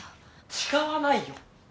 違わないよ。